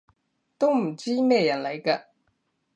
都唔知咩人嚟㗎